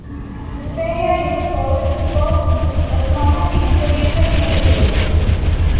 This area is called Bourgneuf, a common name for recent neighbourhoods.